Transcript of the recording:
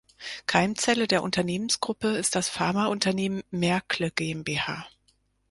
Keimzelle der Unternehmensgruppe ist das Pharmaunternehmen Merckle GmbH.